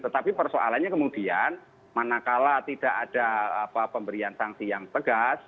tetapi persoalannya kemudian manakala tidak ada pemberian sanksi yang tegas